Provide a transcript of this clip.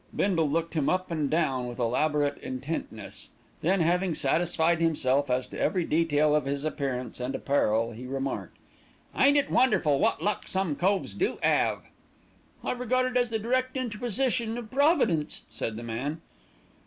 Bindle looked him up and down with elaborate intentness, then having satisfied himself as to every detail of his appearance and apparel, he remarked: "Ain't it wonderful wot luck some coves do 'ave!" "I regard it as the direct interposition of Providence," said the man.